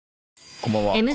こんばんは。